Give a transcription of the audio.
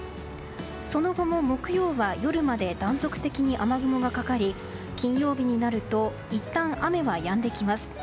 その後も木曜は夜まで断続的に雨雲がかかり、金曜日になるといったん雨はやんできます。